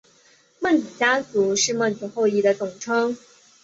孟子家族是孟子后裔的总称。